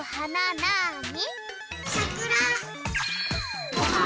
なに？